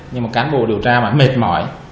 nhưng mà cán bộ điều tra mà mệt mỏi